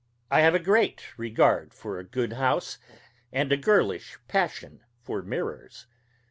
I have a great regard for a good house, and a girlish passion for mirrors.